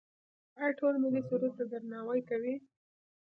آیا ټول ملي سرود ته درناوی کوي؟